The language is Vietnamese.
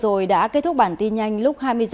thông tin vừa rồi đã kết thúc bản tin nhanh lúc hai mươi h